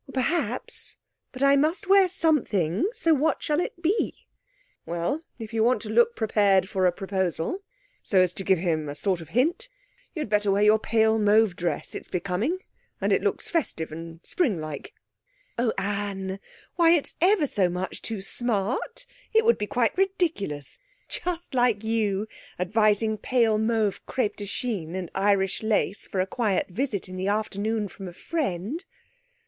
'Perhaps; but I must wear something. So what shall it be?' 'Well, if you want to look prepared for a proposal so as to give him a sort of hint you'd better wear your pale mauve dress. It's becoming, and it looks festive and spring like.' 'Oh, Anne! Why, it's ever so much too smart! It would be quite ridiculous. Just like you, advising pale mauve crêpe de Chine and Irish lace for a quiet visit in the afternoon from a friend!'